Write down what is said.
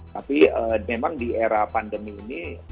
tapi memang di era pandemi ini